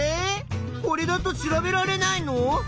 これだと調べられないの？